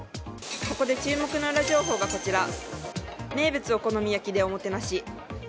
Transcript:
ここで注目のウラ情報が名物お好み焼きでおもてなし。